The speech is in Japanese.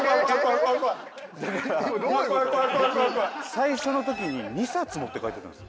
最初のときに２冊持って帰ってたんです。